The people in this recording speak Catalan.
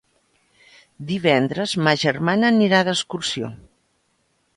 Divendres ma germana anirà d'excursió.